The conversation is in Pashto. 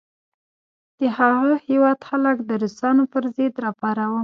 د هغه هیواد خلک د روسانو پر ضد را پاروم.